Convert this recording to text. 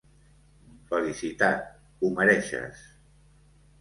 Felicita't, ho mereixes.